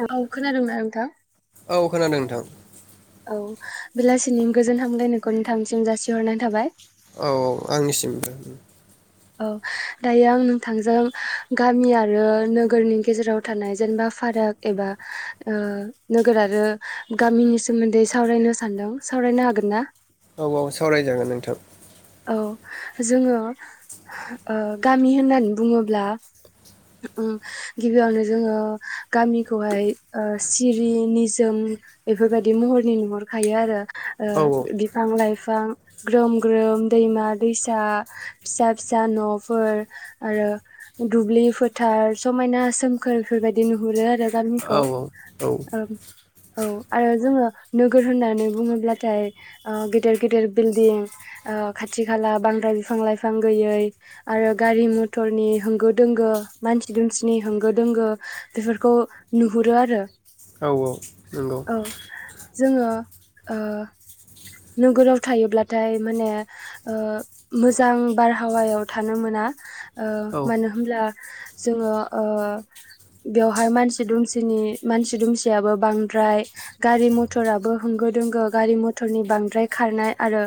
नोंथां खोनादोंना नोंथां औ खोनादों नोंथां औ बेलासि दिनिनि गोजोन हामलायनायखौ नोंथांनिसिम जासिहरनाय थाबाय । औ औ आंनिसिमबो । औ दायो आं नोंथांजों गामि आरो नोगोरनि गेजेराव थानाय जेनेबा फाराग एबा ओ नोगोर आरो गामिनि सोमोन्दै सावरायनो सानदों । सावरायनो हागोन ना? औ औ सावरायजागोन नोंथां । औ जोङो ओ गामि होननानै बुङोब्ला गिबियावनो जोङो गामिखौहाय सिरि निजोम बेफोरबायदि महरनि नुहरखायो आरो । ओ औ बिफां लाइफां ग्रोम ग्रोम । दैमा दैसा फिसा फिसा न'फोर आरो दुब्लि फोथार समायना सोमखोर बेफोरबायदि नुहुरो । औ गामिखौ औ ओम । औ आरो जोङो नोगोर होननानै बुङोब्लाथाय ओ गेदेर गेदेर बिल्डिं ओ खाथि खाला बांद्राय बिफां लाइफां गैयै आरो गारि मथरनि होंगो दोंगो मानसि दुमसिनि होंगो दोंगो बेफोरखौ नुहुरो आरो । औ औ नंगौ । जोङो ओ नोगोराव थायोब्लाथाय माने ओ मोजां बारहावायाव थानो मोना । ओ औ मानो होमब्ला जोङो ओ बेवहाय मानसि दुमसिनि मानसि दुमसियाबो बांद्राय गारि मथराबो होंगो दोंगो गारि मथरनि बांद्राय खारनाय आरो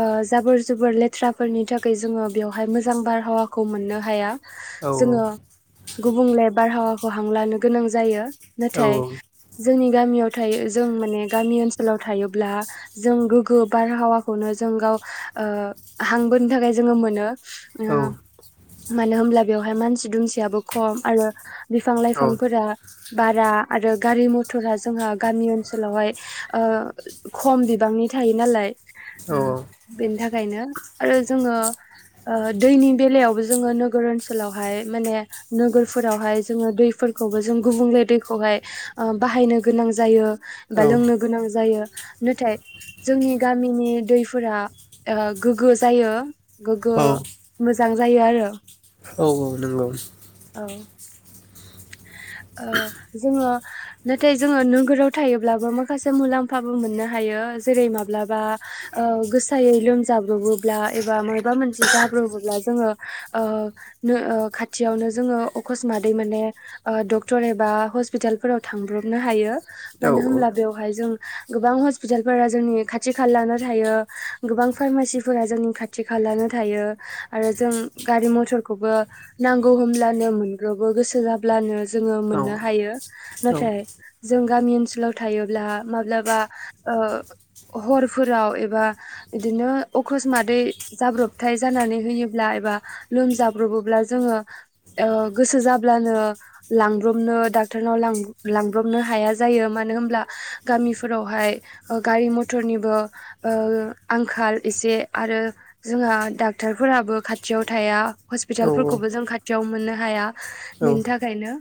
ओ जाबोर जुबोर लेथ्राफोरनि थाखाय जोङो बेवहाय मोजां बारहावाखौ मोननो हाया । औ औ । गुबुंले बारहावाखौ हां लानो गोनां जायो । औ नाथाय जोंनि गामियाव थायो जों माने गामि ओनसोलाव थायोब्ला जों गोग्गो बारहावाखौनो जों गाव ओ हां बोनो थाखाय जोङो मोनो। औ ओ। मानो होमब्ला बेवहाय मानसि दुमसियाबो खम आरो बिफां लाइफांफोरा बारा आरो गारि मथरा जोंहा गामि ओनसोलावहाय ओ खम बिबांनि थायो नालाय। उ बेनि थाखायनो आरो जोङो ओ दैनि बेलायावबो जोङो नोगोर ओनसोलावहाय माने नोगोरफोरावहाय जोङो दैफोरखौबो जों गुबुंले दैखौहाय ओ बाहायनो गोनां जायो बा लोंनो गोनां जायो नाथाय जोंनि गामिनि दै फोरा ओ गोग्गो जायो गोग्गो औ मोजां जायो आरो। औ औ नंगौ। औ औ जोङो नाथाय जोङो नोगोराव थायोब्लाबो माखासे मुलाम्फाबो मोननो हायो जेरै माब्लाबा गोसायै लोमजाब्रबोब्ला एबा मबेबा मोनसे जाब्रबोब्ला जोङो ओ खाथियावनो जोङो अखसमातै माने ओ डक्टर एबा हस्पिटालफोराव थांब्रबनो हायो औ मानो औ होमब्ला बेवहाय जों गोबां हस्पिटालफोरा जोंनि खाथि खाला नार्स थायो गोबां फारमासिफोरा जोंनि खाथि खालानो थायो आरो जों गारि मथरखौबो नांगौ होमब्लानो मोनब्रबो गोसो जाब्लानो जोङो मोननो हायो नाथाय जों गामि ओनसोलाव थायोब्ला माब्लाबा ओ हर फोराव एबा बिदिनो अखसमादै जाब्रबथाय जानानै होयोब्ला एबा लोमजाब्रबोब्ला जोङो ओ गोसो जाब्लानो लांब्रबनो डाक्टरनाव लांब्रबनो हाया जायो मानो होनब्ला गामिफोरावहाय ओ गारि मथरनिबो ओ आंखाल एसे आरो जोंहा डाक्टारफोराबो खाथियाव थाया हस्पिटालफोरखौबो जों खाथियाव मोननो हाया बेनि थाखायनो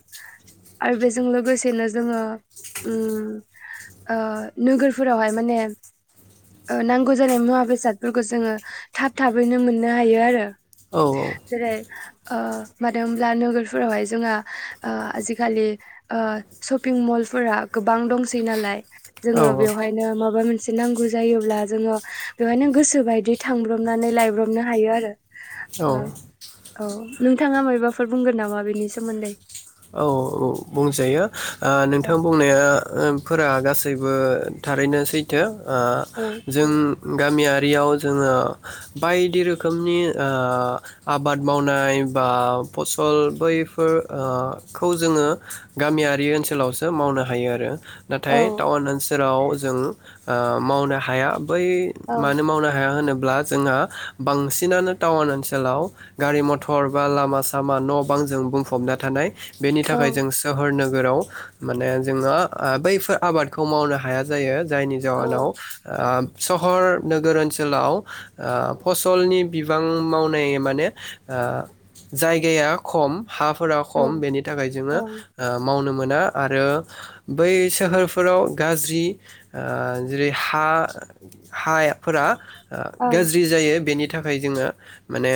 आरो बेजों लोगोसेनो जोङो उम ओ नोगोरफोरावहाय माने ओ नांगौ जानाय मुवा बेसादफोरखौ जोङो थाब थाबैनो मोननो हायो आरो जेरै ओ मानो होनब्ला नोगोरफोरावहाय जोंहा ओ आजिखालि ओ शपिं मल फोरा गोबां दंसै नालाय औ जोङो बेवहायनो माबा मोनसे नांगौ जायोब्ला जोङो बेवहायनो गोसोबायदि थांब्रबनानै लायब्रबनो हायो आरो औ नोंथाङा मायबाफोर बुंगोन नामा बेनि सोमोन्दै? औ बुंजायो ओ औ नोंथां बुंनाया फोरा गासैबो थारैनो सैथो। ओ औ जों गामियारियाव जोङो बायदि रोखोमनि ओ आबाद मावनाय बा फसल बैफोर ओ खौ जोङो गामियारि ओनसोलावसो मावनो हायो आरो। औ नाथाय टाउन ओनसोलाव जों ओ मावनो हाया। बै औ मानो मावनो हाया होनो ब्ला जोंहा बांसिनानो टाउन ओनसोलाव गारि मथर बा लामा सामा न' बां जों बुंफबना थानाय बेनिख य जों सोहोरनो गोराव माने जोङो ओ बैफोर आबादखौ मावनो हाया जायो। जायनि औ जाउनाव आ सहर नोगोर ओनसोलाव ओ फसलनि बिबां मावनाय माने ओ जायगाया खम। हाफोरा औ खम बेनि थाखाय [unintelligible] औ ओ माव मावनो मोना आरो बै सोहोरफोराव गाज्रि ओ जेरै हा हायाफोरा गाज्रि जायो बेनि बेनि थाखाय जोङो माने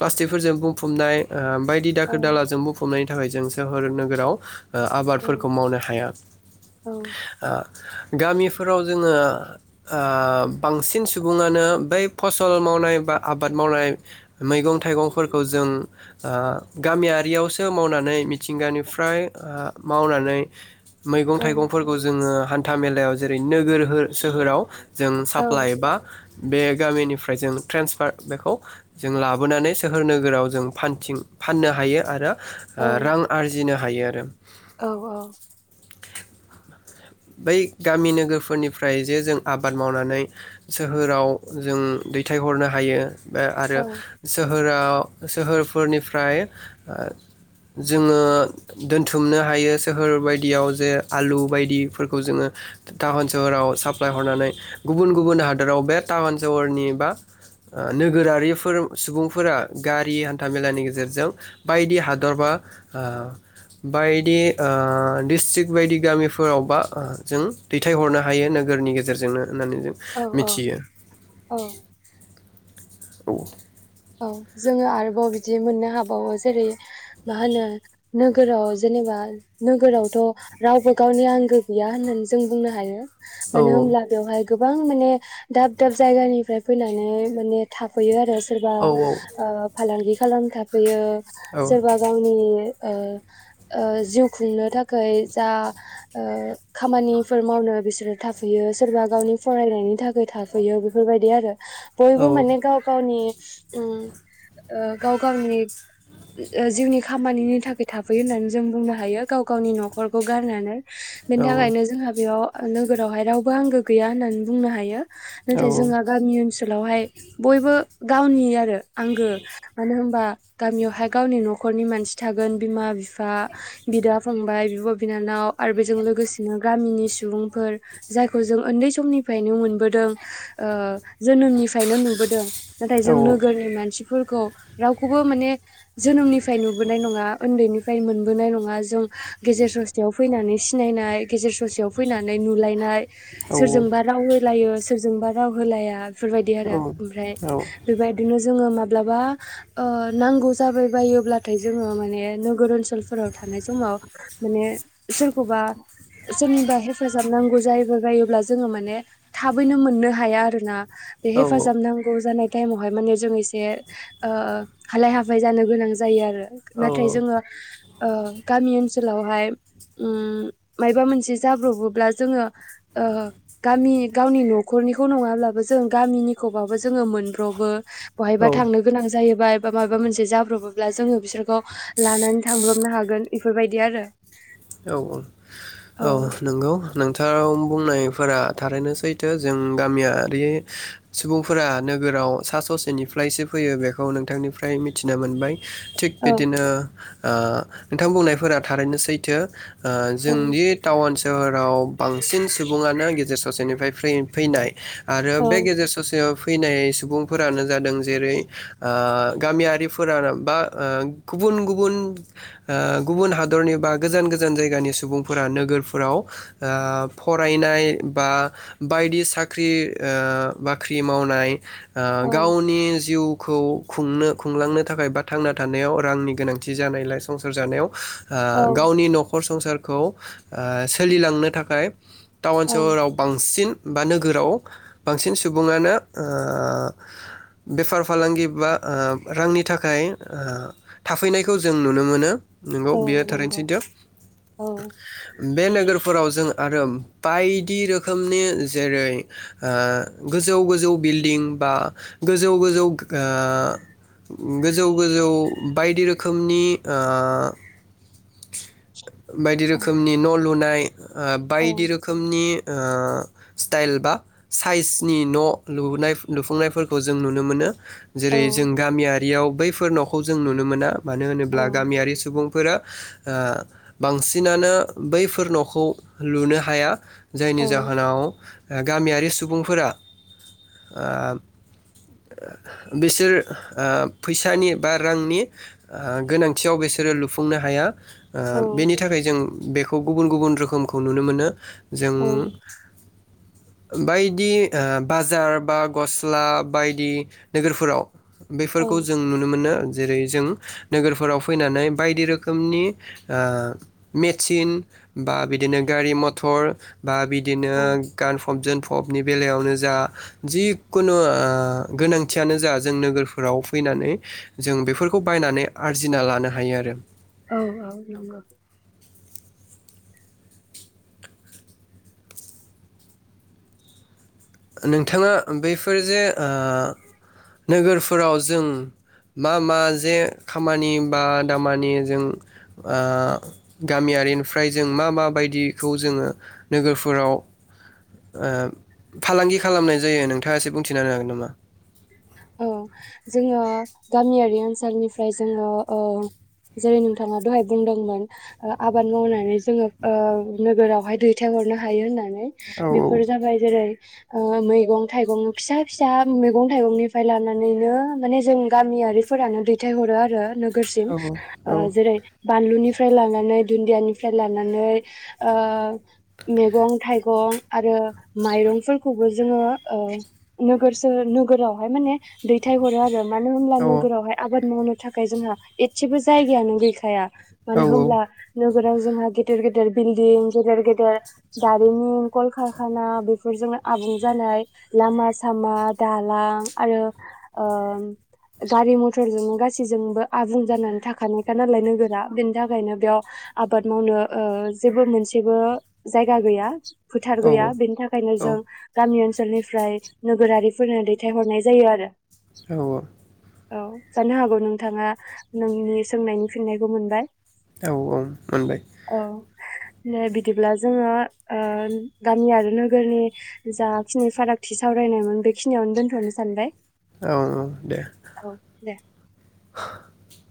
प्लास्टिकफोरजों बुंफबनाय ओ बायदि औ दाखोर दालाजों बुंफबनाय। [unintelligible] सोहोर नोगोराव ओ आबादफोरखौ मावनो हाया औ ओ। गामिफोराव जोंङो ओ बांसिन सुबुंङानो बै फसल मावनाय बा आबाद मावनाय मैगं थाइगंफोरखौ जों ओ गामिया बेयावसो मावनानै मिथिंगानिफ्राय ओ मावनानै मैगं औ थाइगंफोरखौ जोंङो। हान्था मेलायाव जेरै नोगोर सोहोराव। जों साप्लाइ औ एबा बे गामिनिफ्राय जों ट्रेन्सफार बेखौ जों लाबोनानै सोहोर नोगोराव जों फानथिं फाननो हायो आरो ओ रां जिनो हायो आरो। औ औ। बै गामि नोगोरफोरनिफ्राय जे जों आबाद मावनानै सोहोराव जों दैथायहरनो हायो। आरो जों। होराव सोहोरफोरनिफ्राय ओ जोंङो दोनथुमनो हायो सोहोर बायदियाव जे आलु बायदि। फोरखौ जोंङो टाउन सहराव साप्लाय हरना, नै गुबुन गुबुन हादराव बे टाउन सहरनि बा नोगोरारिफोर सुबुंफोरा गारि हान्था मेलानि गेजेरजों। बायदि हादर बा बायदि डिस्ट्रिकट बायदि गामिफोराव बा। जों दैथाय हरनो हायो नोगोरनि गेजेरजोंनो। होननानै जों औ मिथियो। औ औ। औ जोंङो आरोबाव बिदि मोननो हाबावो। जेरै मा होनो नोगोराव जेनेबा नोगोरावथ रावबो गावनि आंगो गैया होननानै जों बुंनो हायो। औ माने होनोमब्ला बेवहाय। गोबां माने दाब दाब जायगानिफ्राय फैनानै माने थाफैयो आरो। सोरबा औ ओ फालांगि खालाम थाफैयो। औ सोरबा गावनि। ओ जिउ खुंनो थाखाय जा ओ खामानिफोर मावनो बिसोरो थाफैयो सोरबा गावनि फरायनायनि थाखाय थाफैयो बेफोरबायदि आरो। औ बयबो माने गावगावनि। उम ओ गाव गावनि जिउनि खामानिनि थाखाय, थाफैयो होननानै जों बुंनो हायो गाव गावनि नखरखौ गारनानै। बेनि औ थाखायनो जोंहा बेयाव। नोगोरावहाय रावबो आंगो गैया होननानै बुंनो हायो। नाथाय जोंहा गामिओनसोल। उनावहाय बयबो। गावनि आरो। आंगो मानो होमबा? गामियावहाय गावनि नखरनि मानसि थागोन, बिमा, बिफा, बिदा, फंबाय, बिब, बिनानाव आरो बेजों लोगोसेनो गामिनि सुबुंफोर जायखौ जों उन्दै समनिफ्रायनो मोनबोदों ओ जोनोमनिफ्रायनो नुबोदों। नाथाय औ जों नोगोरनि मानसिफोर खौ रावखौबो माने जोनोमनिफ्राय नुबोनाय नङा उन्दैनिफ्राय मोनबोनाय नङा जों। गेजेर ससेयाव फैनानै सिनायनाय गेजेर ससेयाव फैनानै नुलायनाय। औ औ सोरजोंबा राव होलायो, सोरजोंबा राव होलाया। बेफोरबायदि औ आरो ओमफ्राय औ बेबायदिनो जोङो माब्लाबा ओ नांगौ जाबाय बायोब्लाथाय जोङो माने नोगोर ओनसोलफोराव थानाय समाव माने सोरखौबा सोरनिबा हेफाजाब नांगौ जाबाय बायोब्ला जोङो माने थाबैनो मोननो हाया आरो ना। बे हेफाजाब नांगौ जानाय टाइमावहाय माने जों एसे ओ हालाय हाफाय जानो गोनां जायो आरो। नाथाय जोङो ओ गामि ओनसोलावहाय उम मायाबा मोनसे जाब्रबोब्ला जोङो ओ गामि गावनि न'खरनिखौ नङाब्लाबो जों गामिनिखौबाबो जोङो मोन ब्रबो। औ बहायबा थांनो गोनां जायो बा एबा माबा मोनसे जाब्रबोब्ला जोङो बिसोरखौ लानानै थांब्रबनो हागोन बेफोरबायदि आरो। औ औ औ नोंगौ नोंथाङा बुंनाय फोर थारैनो सैथो जों गामियारि सुबुंफोरा नोगोराव सा ससेनिफ्रायसो फैयो बेखौ नोंथांनिफ्राय मिथिनो मोनबाय। थिग औ बेदिनो ओ नोंथां बुंनायफोरा थारैनो सैथो। ओ औ जोंदि टाउन सोहोराव बांसिन सुबुङानो गेजेर ससेनिफ्राय फै-फैनाय। आरो बे औ गेजेर ससेयाव फैनाय सुबुंफोरानो जादों जेरै ओ गामियारिफोरानो बा ओ गुबुन गुबुन ओ गुबुन हादरनि बा गोजान गोजा न जायगानि सुबुंफोरा नोगोरफोराव ओ फरायनाय बा बायदि साख्रि ओ बाख्रि मावनाय ओ ओं गावनि जिउ खौ खुंनो खुंलांनो थाखाय बा थांना थानायाव रांनि गोनां थि जानायलाय संसार जानायाव औ ओ गावनि न ' खर संसारखौ सोलिलांनो थाखाय टाउन ओं सोहोराव बांसिन बा नोगोराव बांसिन सुबुङानो ओ बेफार फालांगि बा ओ रांनि थाखाय ओ थाफैनायखौ जों नुनो मोनो। नोंगौ औ बेयो थारैनो नंगौ सैथो। औ बेे नोगोर फोराव जों आरो बायदि रोखोमनि जेरै ओ गोजौ गोजौ बिल्डिं बा गोजौ गोजौ ओ गोजौ गोजौ बायदि रो खोमनि ओ। [inaudible] बायदि ओं रोखोमनि न' लुनाय ओ औ बायदि ओं रोखोमनि ओ स्टाइल बा साइसनि न' लुनाय लुफुंनायफोरखौ जों नुनो मोनो। औ जेरै जों गामियारि याव बैफोर न'खौ जों नुनो मोना मानो होनोब्ला गामियारि सुबुं फोरो ओ बांसिनानो बैफोर न'खौ लुनो हाया। जायनि जाहोनाव गामियारि सुबुंफोरा ओ बिसोर ओ फैसानि बा रांनि गोनांथियाव बिसोरो लुफुंनो हाया। ओ ओं बेनि थाखाय जों बेखौ खौ गुबुन गुबुन रोखोमखौ नुनो मोनो जों ओं बायदि ओ बाजार बा गस्ला बायदि नोगोरफोराव। बेफोरखौ ओं जों नुनो मोनो जेरै जों नोगोरफोराव फैनानै बायदि रोखोमनि ओ मेचिन बा बिदिनो गारि मथर। बा बिदिनो औ गानफब जोनफब नि बेलायावनो जा जिखुनु ओ गोनांथियानो जा जों नोगोरफोराव फैनानै जों बेफोरखौ बायनानै आरजिना लानो हायो आरो। औ औ नंगौ। नोंथाङा बैफोर जे ओ नोगोरफोराव जों मा मा जे खामानि बा दामानि जों ओ गामियारिनिफ्राय जों मा मा बायदि खौ जोङो नोगोरफोराव ओ फालांगि खालामनाय जायो नों थांआ एसे बुंथिना होनो हागोन नामा? औ जोङो गामियारि ओनसोलनिफ्राय जोङो ओ जेरै नोंथाङा दहाय बुंदोंमोन ओ आबाद मावनानै जोङो ओ नोगोरावहाय दैथायहरनो हायो होननानै। औ बेफोर जाबाय जेरै ओ मैगं थाइगं फिसा फिसा मैगं थाइगंनि फ्राय लानानैनो माने जों गामियारिफोरानो दैथायहरो आरो। नोगोरसिम औ औ जेरै बानलुनि निफ्राय लानानै दुन्दियानिफ्राय लानानै ओ मैगं थाइगं आरो माइरंफोरखौबो जोङो ओ नोगोर सोहोर नोगोराव ओमफ्राय माने दैथाय हरो आरो। मानो होनब्ला औ नोगोरावहाय आबाद मावनो थाखाय जोंहा एसेबो जायगायानो गैखाया। औ मानो हमब्ला नों फोराव जोंहा गेदेर गेदेर बिल्दिं गेदेर गेदेर दारिमिन कलकारखाना बेफोरजों आबुं जानाय लामा सामा दालां आरो ओम गारि मथरजों गासैजोंबो आबुं जानानै थाखानायखा नालाय नोगोरा बेनि थाखायनो बेयाव आबाद मावनो ओ जेबो मोनसेबो जायगा गैया। फोथार गैया बेनि थाखायनो जों गामि ओनसो फोरनिफ्राय नोगोरारिफोरनो दैथायहरनाय जा जायो आरो। औ औ। औ जानो हागौ नोंथाङा नोंनि सोंनायनि फिननायखौ मोनबाय। औ औ मोनबाय। नो बिदिब्ला जोङो ओ गामि आरो नोगोरनि जाखिनि फारागथि सावरायनायमोन बेखिनियावनो दोनथ'नोसै। सानबाय। औ औ दे औ दे [unintelligible]